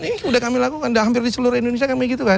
ini sudah kami lakukan sudah hampir di seluruh indonesia kami gitu kan